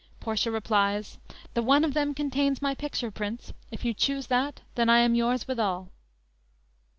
"_ Portia replies: _"The one of them contains my picture, Prince; If you choose that then I am yours withal."